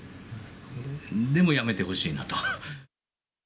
でもやめてほしいなと。